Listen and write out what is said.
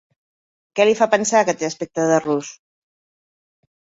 Què li fa pensar que té aspecte de rus?